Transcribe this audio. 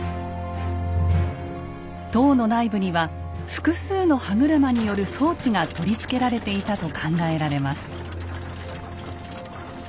塔の内部には複数の歯車による装置が取り付けられていたと考えられます。